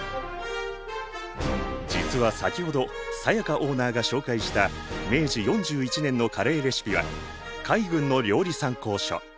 実は先ほど才加オーナーが紹介した明治４１年のカレーレシピは海軍の料理参考書。